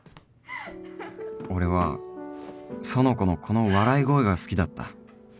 俺は苑子のこの笑い声が好きだった